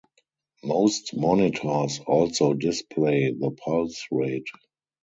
Most monitors also display the pulse rate.